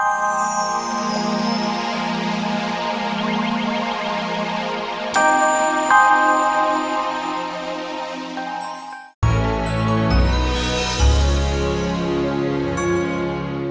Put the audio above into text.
aku tidak apa apa